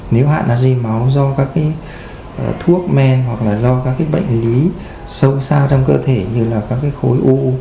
nếu hạ nát ri máu do các cái thuốc men hoặc là do các cái bệnh lý sâu xa trong cơ thể như là các cái khối u